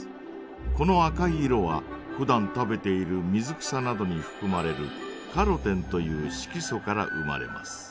この赤い色はふだん食べている水草などにふくまれるカロテンという色素から生まれます。